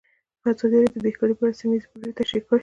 ازادي راډیو د بیکاري په اړه سیمه ییزې پروژې تشریح کړې.